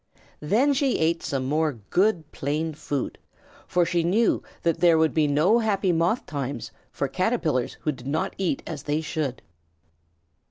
Then she ate some more good, plain food, for she knew that there would be no happy Moth times for Caterpillars who did not eat as they should.